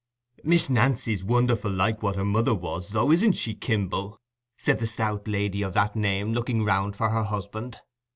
"Miss Nancy's wonderful like what her mother was, though; isn't she, Kimble?" said the stout lady of that name, looking round for her husband.